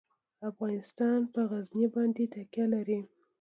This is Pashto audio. افغانستان په غزني باندې تکیه لري.